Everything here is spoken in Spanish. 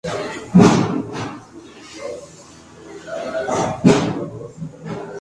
Administra uno de los canales con mayor cantidad de suscriptores en YouTube.